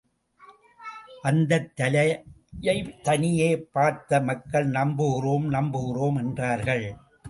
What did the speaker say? அந்தத் தலையைத் தனியே பார்த்தமக்கள் நம்புகிறோம் நம்புகிறோம்! என்றார்கள்.